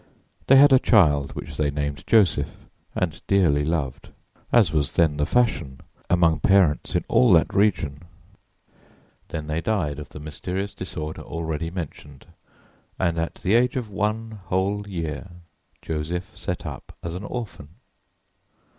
They had a child which they named Joseph and dearly loved, as was then the fashion among parents in all that region. Then they died of the mysterious disorder already mentioned, and at the age of one whole year Joseph set up as an orphan.